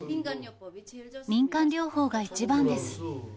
民間療法が一番です。